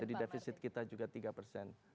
jadi deficit kita juga tiga persen